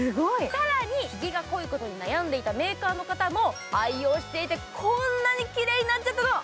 更にひげが濃いことに悩んでいたメーカーの人も愛用してこんなにきれいになっちゃったの。